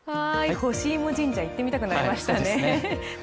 ほしいも神社行ってみたくなりましたね。